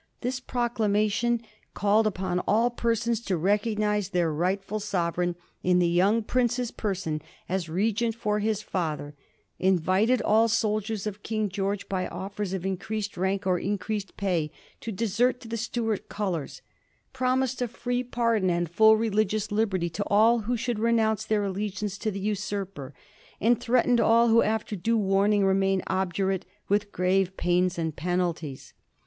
This proclamation called upon all persons to recognize their rightful sovereign in the young prince's person as regent for his father, invited all soldiers of King George, by offers of increased rank or increased pay, to desert to the Stuart colors, promised a free pardon and full religious liberty to all who should renounce their allegiance to the usurper, and threatened all who, after due warning, re mained obdurate with grave pains and penalties.